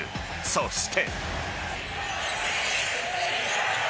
そして。